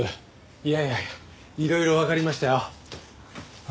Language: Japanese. いやいやいやいろいろわかりましたよ。